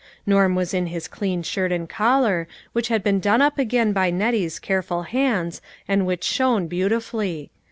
Norm was in his clean shirt and collar, which had been done up again by Nettie's careful hands and which shone beauti fully.